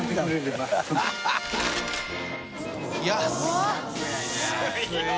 安い！